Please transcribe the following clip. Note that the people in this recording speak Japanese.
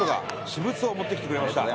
私物を持ってきてくれました。